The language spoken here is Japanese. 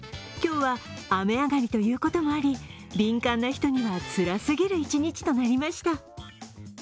今日は雨上がりということもあり、敏感な人にはつらすぎる一日となりました。